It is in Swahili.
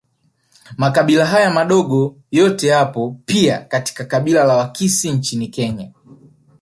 Makabila haya madogo yote yapo pia katika kabila la Wakisii nchini Kenya